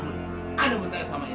apa yang anda ingin bertanya kepada saya